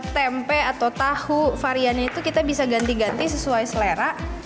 tempe atau tahu variannya itu kita bisa ganti ganti sesuai selera